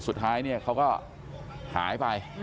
สุดท้ายเขาก็หายไป